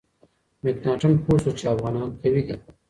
مکناتن پوه شو چې افغانان قوي دي.